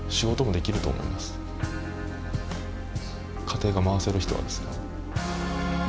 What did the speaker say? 家庭が回せる人はですね。